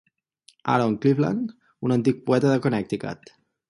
Aaron Cleveland, un antic poeta de Connecticut.